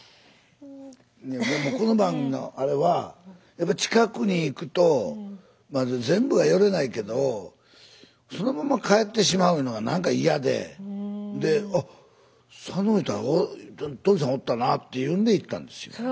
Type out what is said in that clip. いやでもこの番組のあれはやっぱ近くに行くとまあ全部は寄れないけどそのまま帰ってしまうのがなんか嫌でで「あっ佐野いうたらトリさんおったな」っていうんで行ったんですよ。